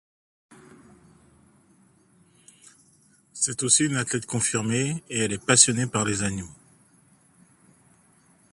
C'est aussi une athlète confirmée et elle est passionné par les animaux.